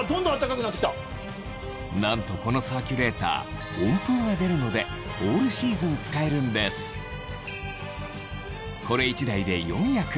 なんとこのサーキュレーター温風が出るのでオールシーズン使えるんですこれ１台で４役